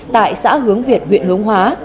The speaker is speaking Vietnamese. tại xã hướng việt huyện hướng hóa